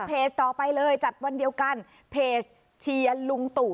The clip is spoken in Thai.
ต่อไปเลยจัดวันเดียวกันเพจเชียร์ลุงตู่